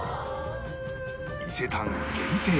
伊勢丹限定